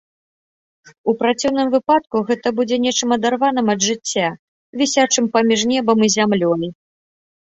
У праціўным выпадку гэта будзе нечым адарваным ад жыцця, вісячым паміж небам і зямлёй.